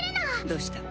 どうした？